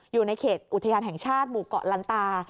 อยู่ในเขตอุทยานแห่งชาติหมู่เกาะลันตา